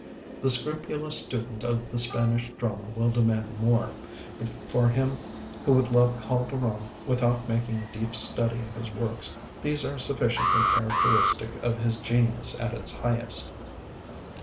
The scrupulous student of the Spanish drama will demand more; but for him who would love Calderon without making a deep study of his works, these are sufficiently characteristic of his genius at its highest.